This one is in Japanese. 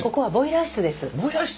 ボイラー室？